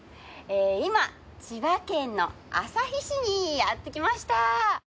今千葉県の旭市にやってきました。